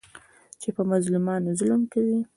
چې په مظلومانو ظلم کوي.